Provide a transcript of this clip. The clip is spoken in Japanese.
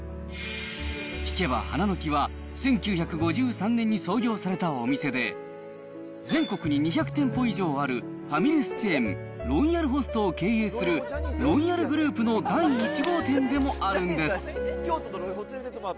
聞けば花の木は１９５３年に創業されたお店で、全国に２００店舗以上あるファミレスチェーン、ロイヤルホストを経営するロイヤルグループの第１号店でもあるんです。